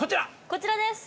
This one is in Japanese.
◆こちらです。